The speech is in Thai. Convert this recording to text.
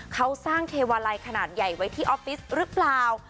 เขาสร้างเทวาลัยขนาดใหญ่ไว้ที่ออฟฟิศหรือเปล่า